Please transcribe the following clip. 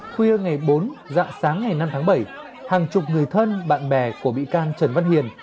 khuya ngày bốn dạng sáng ngày năm tháng bảy hàng chục người thân bạn bè của bị can trần văn hiền